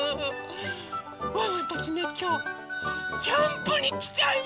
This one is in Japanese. ワンワンたちねきょうキャンプにきちゃいました！